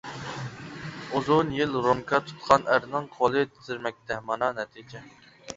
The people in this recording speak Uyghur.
ئۇزۇن يىل رومكا تۇتقان ئەرنىڭ قولى تىترىمەكتە، مانا نەتىجە.